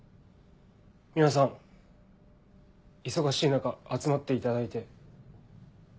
皆さん忙しい中集まっていただいて。